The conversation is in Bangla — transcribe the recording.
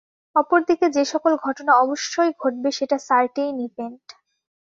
অপরদিকে যেসকল ঘটনা অবশ্যই ঘটবে সেটা সার্টেইন ইভেন্ট।